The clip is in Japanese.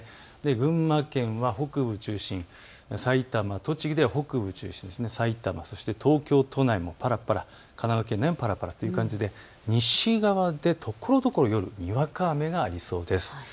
群馬県は北部を中心、埼玉、栃木では北部を中心、東京都内もぱらぱら、神奈川県もぱらぱらという感じで西側でところどころ夜、にわか雨がありそうです。